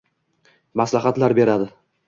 maslahatlar beradi